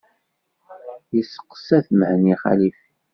Yesteqsa-t Mhenni Xalifi.